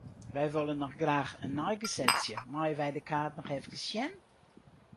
Wy wolle noch graach in neigesetsje, meie wy de kaart noch efkes sjen?